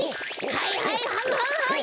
はいはいはんはんはん